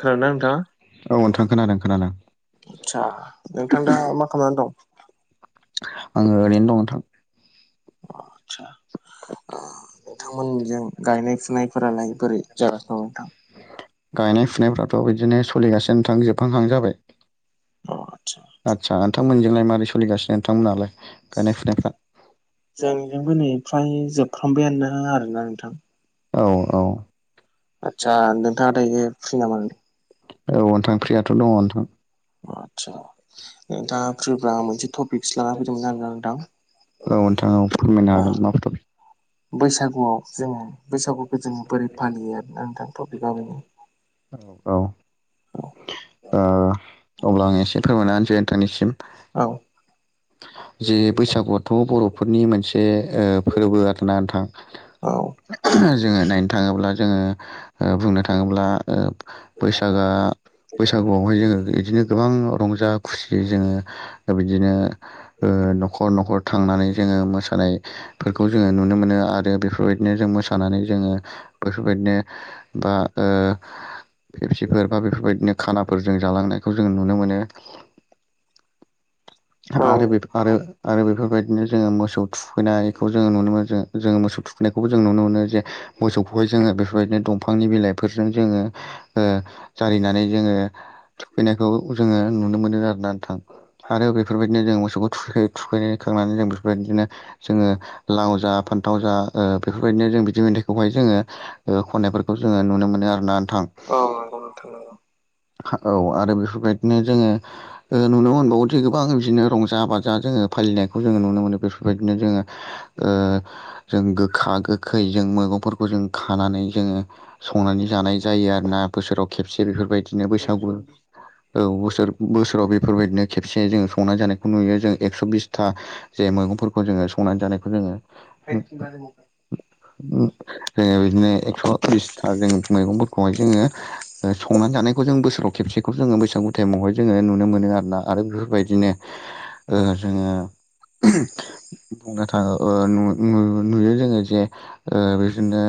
खोनादोंना नोंथाङा? औ नोंथां खोनादों खोनादों आतसा नोंथां दा मा खालामनानै दं। आङो ओरैनो दं नोंथां। आदसा नोंथांमोनजों गायनाय फुनायफोरालाय बोरै जागासि नोंथां। खुलिगासिनो नोंथां जोबहांहां जाबाय। अ आदसा आदसा नोंथांमोनजोंलाय माबोरै सलिगासिनो नोंथांमोनहालाय गायनाय फुनायफ्रा जोंनिजोंबो नै फ्राय जोबफ्रामबायानोनो आरोना नोंथां। औ औ। आदसा नोंथाङा दायो फ्रि नामा? औ नोंथां फ्रियाथ' दङ नोंथां। आदसा नोंथाङा फ्रिबा मोनसे टपिकससो लाना फैदोंमोन आरोना नोंथां। औ नोंथां औ फोरमायनो ओ हागोन माबे टफिक बैसागुआव जोङो बैसागुखौ जोङो बोरै फालियो आरो नोंथां टपिकआ बेनो औ औ औ ओ अब्ला आं एसे फोरमायना होनोसै थांनिसिम औ [inaudible] जे बैसागुआथ' बर'फोरनि मोनसे ओ फोरबो आरोना नोंथां जोङो नायनो थाङोब्ला जोङो ओ बुंनो थाङोब्ला ओ बैसागआ बैसागुआवहाय जोङो बिदिनो गोबां रंजा खुसियै जोङो बिदिनो ओ न'खर न'खर थांनानै जोङो मोसानाय फोरखौ जोङो नुनो मोनो आरो बेफोरबायदिनो जों मोसानानै जोङो बेफोरबायदिनो बा ओ फेफसिफोर बा बेफोरबायदिनो खानाफोरजों जालांनायखौ जों नुनो मोनो। औ आरो बे आरो बेफोरबायदिनो जोङो मोसौ थुखैनायखौ जोङो नुनो मोनो जो जोङो मोसौ थुखैनायखौबो जों नुनो मोनो जे मोसौखौहाय जोङो बेफोरबायदिनो दंफांनि बिलाइफोरजों जोङो ओ जारिनानै जोङो थुखैनायखौ जोङो नुनो मोनो आरोना नोंथां। आरो बेफोरबायदिनो जों मोसौखौ थुखै थांनानै जों बेफोरबायदिनो जोङो लाव जा फान्थाव जा बेफोरबायदिनो जों बिदि मेथाइखौहाय जोङो खन्नायफोरखौ जोङो नुनो मोनो आरोना। थां औ नंगौ नोंथां नंगौ। औ आरो बेफोरबायदिनो जोङो ओ नुनो मोनबावो जे गोबां बिदिनो रंजा बाजा जोङो फालिनायखौ जोङो नुनो मोनो बेफोरबायदिनो जोङो ओ जों गोखा गोखै जों मैगंफोरखौ जों खानानै जोङो संनानै जानाय जायो आरोना बोसोराव खेबसे बेफोरबायदिनो बैसागु औ बोसोर बोसोराव बे बेफोरबादिनो खेबसे सानायखौ नुयो जोङो एखस' बिसथा मैगंफोरखौ जोङो संनानै जानायखौ जोङो जोङो बिदिनो एकस' बिसथा जों मैगंफोरखौहाय जोङो संनानै जानो नायखौ जों बोसोराव खबसेखौ जोङो बैसागु थायेमावहाय जोङो नुनो मोन आरो ना आरो बेफोरबायदिनो ओ जोङो बुंनो थाङो ओ नुयो जोङो जे ओ बिदिनो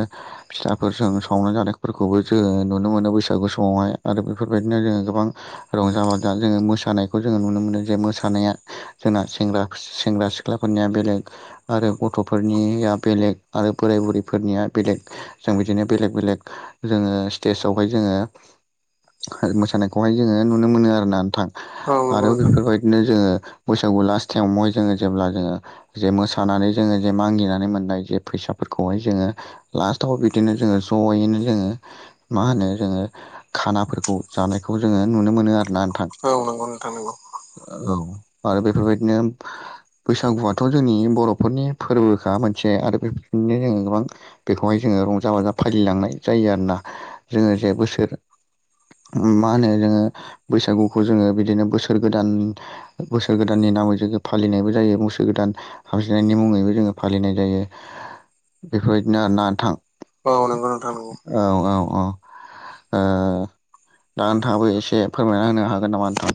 फिथ्लाफोरजों संनानै जानायफोरखौबो जोङो नुनो मोनो बैसागु समावहाय आरो बेफोरबायदिनो जोङो गोबां रंजा बाजा जोङो मोसानाय जोङो नुनो मोनो जे मोसानाया जोंना सेंग्रा सिख्लाफोरनिया बेलेग आरो गथ' फोरनिया बेलेग आरो बोराय बुरैफोरनिया बेलेग जों बिदिनो बेलेग बेलेग जोङो स्टेजावहाय जोङो मोसानायखौहाय जोङो नुनो मोनो आरोना नोंथां औ नंगौ आरो नोंथां बेफोरबायदिनो जोङो बैसागु लास्ट टाइमावहाय जोङो जेब्ला जोङो जे मोसानानै जोङो जे मागिनानै मोननाय जे फैसाफोरखौहाय जोङो लास्ट थाव बिदिनो जोङो ज'यैनो जोङो मा होनो जोङो खानाफोरखौ जानायखौ जोङो नुनो मोनो आरो औनांगौ नंथां नागौ औ आरो बेफोरबायदिनो बैसागुआथ' जोंनि बर'फोरनि फोरबोखा मोनसे आरो बेनो जोङो गोबां बेखौहाय जोङो रंजा बाजा फालिलांनाय जायो आरोना जोङो जे बोसोर मा होनो जोङो बैसागुखौ जोङो बिदिनो बोसोर गोदान बोसोर गोदाननि नामै ज फलिनायबो ज जायो मस गोदान हामजनायनि मुङैबो जोङो फालिनाय जायो। बेफोरबायदिनो ना थां औ नंगौ नोंथां नंगौ। औ औ औ। दा नोंथाङाबो एसे फोरमायना होनो हागोन नामा नोंथां?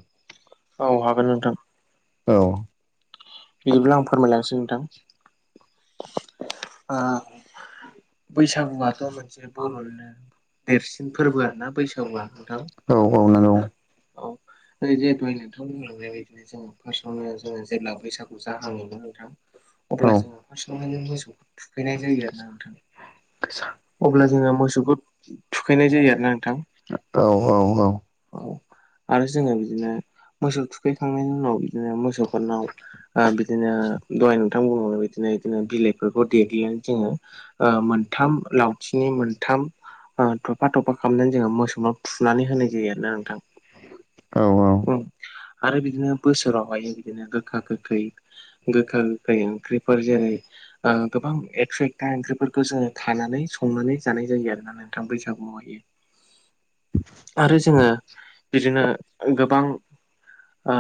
औ हागोन नोंथां औ बिदिब्ला आं फोरमायलांसिनो नोंथां बैसागुआथ' मोनसे बर'निनो देरसिन फोरबो आरोना बैसागुआ नोंथां औ औ नंगौ औ जिहेतु नोंथां बुंलांनाय बायदिनो जोङो फार्स्टआवनो जोङो जेब्ला बैसागु जाहाङोन ना नोंथां औ अब्ला जोङो फार्स्टआवहायनो मोसौखौ थुखैनाय जायो आरो ना नोंथां अब्ला जोङो मोसौखौ थुखैनाय जायो आरो ना नोंथां औ औ औ औ आरो जोङो बिदिनो मोसौ थुखैखांनायनि उनाव बिदिनो मोसौफोरनाव बिदिनो दाय नोंथां बिनो बिलाइ दनानै ज मोन नामथिनि मोनथाम थफा थफा खालामनानै जोङो मोसौ फुनानै होनाय जायो आरोना नोंथां औ औ उम आरो बिदिनो बोसोरावहाय बिदिनो गोखा गोखै गोखा गोखै ओंख्रिफोर जेरै गोबां एकस' एकथा ओंख्रिफोरखौ जोङो खानानै संनानै जानाय जायो आरोना नोंथां बैसागुआव। आरो जोङो बिदिनो गोबां ओ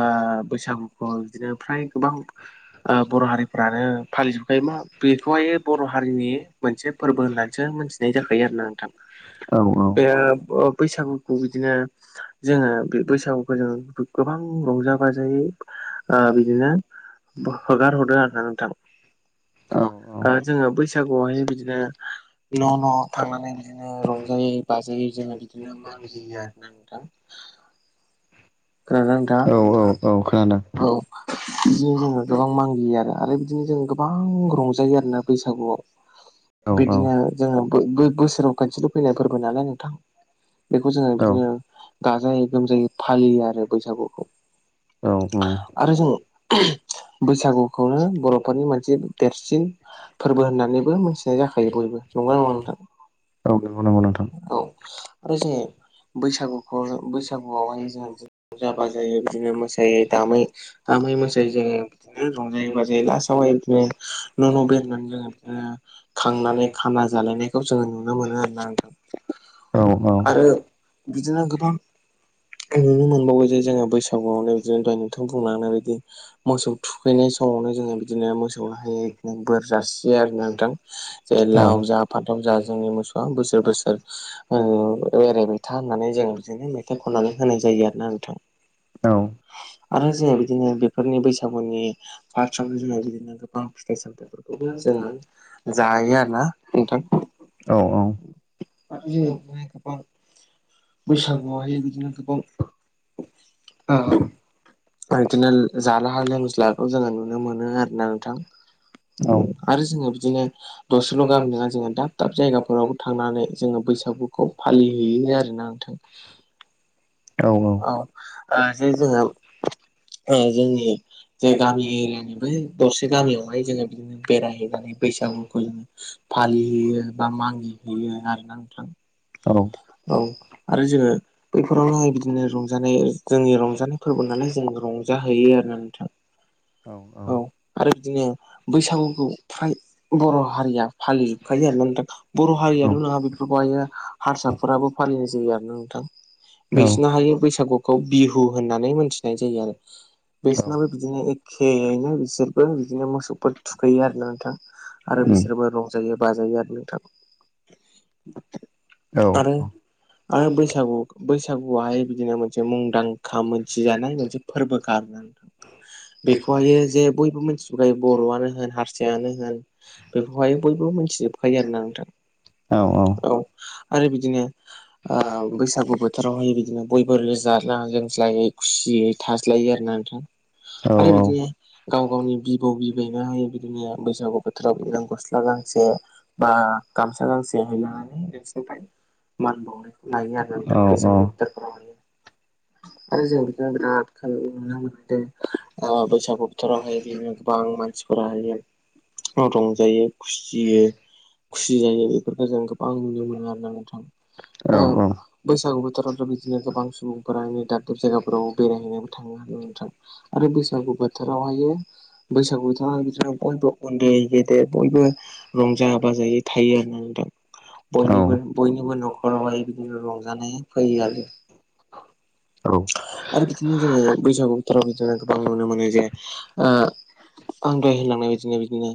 बैसागुखौ बिदिनो फ्राय गोबां ओ बर' हारिफ्रानो फालिजोबखायो मा बेखौहाय बर' हारिनि मोनसे फोरबो होननानैसो मिथिनाय जाखायो आरोना नोंथां बे बैसागु खौ बिदिनो जोङो बे बैसागुखौ जोङो गोबां रंजा बाजायै बिदिनो होगार हरदों आरोना नोंथां। औ ओ जोङो बैसागुआवहाय बिदिनो न' न' थांनानै बिदिनो रंजायै बाजायै जोङो बिदिनो मागियो आरो ना नोंथां। [inaudible] खोनादोंना औ औ नोंथाङा औ खोनादों। औ बिदिनो जोङो गोबां मागियो आरो। आरो बिदिनो जों गोबां रंजायो आरोना बैसागुआव। औ बिदिनो जोङो बो-बो-बोसोराव खोनसेल' फैनाय फोरबो नालाय नोंथां। बेखौ जोङो औ बिदिनो गाजायै गोमजायै फालियो आरो बैसागुखौ। औ आरो जों बैसागुखौनो बर'फोरनि मोनसे देरसिन फोरबो होननानैबो मिथिनाय जाखायो बयबो नंगौ ना नङा नोंथां? नंगौ नंगौ नोंथां। औ आरो जोङो बैसागुखौ बैसागुआवहाय जों जाबा जायो बिदिनो मोसायो दामै मोसायै जोङो बिदिनो रंजायायोै बाजायै लास आवहाय बिदिनो न' न' बे रायनानै जोङ बिदिनो खांनानै खाना जालायनायखौ जोङो नुनो मोनो आरोना नोंथां। औ औ आरो बिदिनो गोबां नुनो मोनबावो जे जोंङो बैसागुआवनो जों दहाय नोंथां बुंलांनाय बिदि मोसौ थुखैनाय समावनो जोङो बिदिनो मोसौ हाय बिदिनो बोर जासियो आरो नोंथां जे लाव जा फान्थाव जा जोंनि मोसौआ बोसोर बोसोर एरायबाय था होननानै जों बिदिनो मेथाइ खनानै होनाय जायो आरोना नोंथां। औ आरो जोहा बिदिनो बेफोरनि बैसागुनि फार्सआवनो जोङो बिदिनो गोबां फिथाइ सामथायाइफोरखौ जोङो जायो आरो ना नोंथां। औ उम औ [unintelligible] बैसागुआवहाय बिदिनो गोबां ओ बिदिनो जालहा लोंज्लाखौ जोङो नुनो मोनो आरो ना नोंथां। औ आरो जोङो बिदिनो दसेल' गामि नङा जोङो दाब दाब जायगाफोरावबो थांनानै जोङो बैसागुखौ फालिहैयो आरो। औ ओ जे जोङो ओ जोंनि जे गामि एरियानिबो दरसे गामियावहाय जोङो बिदिनो बेरायहैनानै बैसागुखौ जोङो फालिहैयो बा मागि हैयो आरोना नोंथां। औ औ आरो जोङो बैफोरावनो बिदिनो रंजानाय जोंनि रंजानाय अननानै जों रंजाहैयो आरोना नोंथां। औ औ औ आरो बिदिनो बैसागुखौ फ्राय बर' हारिया फालिजोबखायो आरोना नोथां। बर' हारियाल' नङा बेफोरखौहाय हारसाफोराबो फालियो। नोंथां बिसोरनो हायो बैसागुखौ बिहु होननानै मोनथिनाय जायो आरो। बिसोरनावबो बिदिनो एखेयैनो बिसोरबो बिदिनो मोसौफोर थुखैयो आरो ना नोंथां। आरो बिसोरबो रंजायो बाजायो आरो नोंथां। आरो आरो बैसागु बैसागुआहाय बिदिनो मोनसे मुंदांखा मोन मिथिजानाय मोनसे फोरबोखा आरोना नोंथां। बेखौहायो जे बयबो मिथिबोखायो बर'आनो होन हारसायानो होन। बेखौहाय बयबो मिथिजोबखायो आरोना नोंथां। औ आरो बिदिनो ओ बैसागु बोथोरावहाय बिदिनो बयबो जाला लोंज्लायै खुसियै थाज्लायो आरो ना नोंथां। आरो बिदिनो गाव गावनि बिबौ बिबैनो हायो बिदिनो बैसागु बोथोरावा गस्ला गां गांसे बा गामसा गांसे हैलानानै देरसिनिफ्राय मान बावनायखौ लायो आरोना नोंथां बैसागु बोथोरफोरावहाय आरो जों बिराद खो नुनो मोनदों ओ बैसागु बोथोरावहाय बिदिनो गोबां मानसिफोरा होयो। रंजायो खुसियो खुसि जायो बेफोरखौ जों गोबां नुनो मोनो आरोना नोंथां। ओ बैसागु बोथोरावथ' बिदिनो गोबां सुबुंफोरा नै दाब दाब जायगा फोराव बेरायहैनोबो थाङो हायो नोंथां आरो बैसागु बोथोरावहायो बैसागु बोथोराव आरो बिदिनो बयबो उन्दै गेदेर बयबो रंजा बाजायै थायो आरोना नों थां औ बयनिबो न'खरावहाय बिदिनो रंजानाय फैयो आरो औ आरो बिदिनो जोङो बैसागु बोथोराव जोङो गोबां नुनो मोनो जे ओ आंगाय होनानै बिदिनो बिदिनो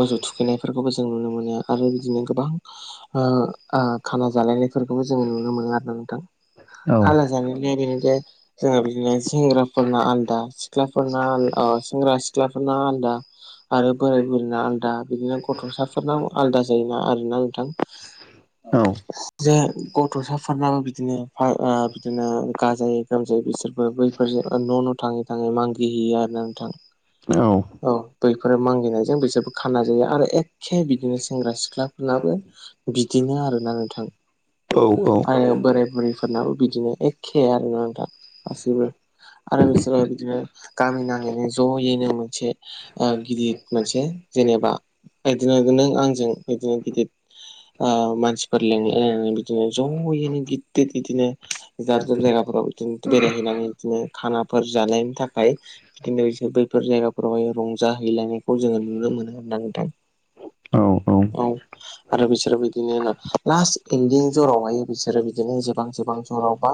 मोसौ थुखैनायफोरखौबो जों नुनो मोनो आरो बिदिनो गोबां ओ ओ खाना जालायनायफोरखौबो जोङो नुनो मोनो आरो नोंथां। [unintelligible] जोङो बिदिनो सेंग्राफोरना आलदा सिख्लाफोरना आल अ ओ सेंग्रा सिख्लाफोरना आलादा आरो बोराय बुरैना आलदा बिदिनो गथ'साफोरनाव आलदा जायोना आरोना नोंथां। औ औ जे गथ'साफोरनाबो बिदिनो ओ बिदिनो गाजायै गोमजायै बिसोरबो बैफोरजों न' न' थाङै थाङै मागिहैयो आरो ना नोंथां। मिथियो औ बैफोरो मागिनायजों बिसोरबो खाना जायो आरो एखखे बिदिनो सेंग्रा सिख्लाफोरनाबो बिदिनो आरोना नोंथां। आरो बोराय बुरैफोरनाबो बिदिनो एखे आरोना नोंथां गासैबो। आरो बिसोरो बिदिनो गामि नाङैनो ज'यैनो मोनसे गिदिर मोनसे जेनेबा बिदिनो नों आंजों बिदिनो गिदिर ओ मानसिफोर लिंनाय ओ बिदिनो ज'यैनो गिददिर बिदिनो दाब जाब जायगाफोराव दिनो बेरायहैनानै बिदिनो खानाफोर जानायनि थाखाय बिदिनो बिसोर बैफोर जायगाफोरावहाय रं जाहैलानायखौ जोङो नुनो मोनो आरोना नोंथां। औ आरो बिसोरबो बिदिनो लास्ट इन्दिं जरावहाय बिसोरो बिदिनो जोबहां जोबहां जेरावबा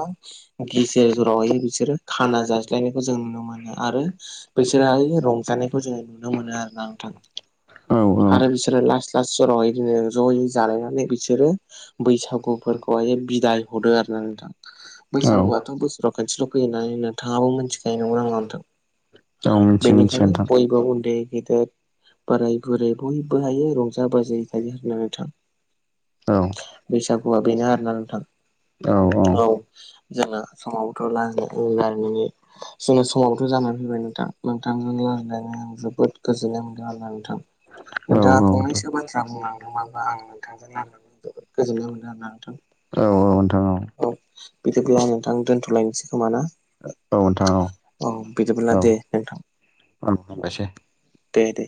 गेजेर जरावहाय बिसोरो खाना जाज्लायनायखौ जों नुनो मोनो आरो बिसोरहाय रंजानाय नायखौ जोङो नुनो मोनो आरोना नोंथां। आरो बिसोरो लास्त लास्ट जराव बिदिनो ज'यै जालायनानै बिसोरो बैसागुफोर खौहाय बिदाय हरदो आरो ना नोंथां बै बैसागुआथ' बोसोराव खनसेल' फैयो होननानै नोंथाङाबो मिथिखायो नंगौ नंङा नोंथां? मिथियो नोंथां बेनिखायनो बयबो उन्दै गेदेर बोराय बुरै बयबो हायो रंजा बाजायै थायो आरोना नोंथां। औ बैसागुआ बेनो आरोना नोंथां औ। जेला समाव बथ'ला [unintelligible] जोंना समाबोथ' जानानै फैबाय नोंथां नोंथांजों रायलायनानै आं जोबोद गोजोननाय मोनदों आरोना नोंथां। औ नोंथाङा नोंथां फंनैसो बाथ्रा बुंलांदों माबा आं जोबोद गोजोननाय मोनदों आरोना नोंथां औ औ औ। बिदिब्ला आं नोंथां दोन्थ'लायनोसै खोमा ना? औ नोंथां औ औ बिदिबोब्ला औ दे नोंथां। औ हामबायसै। दे दे।